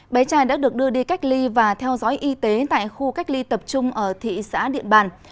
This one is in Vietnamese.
bé trai đã được đưa đi cách ly và theo dõi y tế tại khu cách ly tập trung ở thị xã điện bàn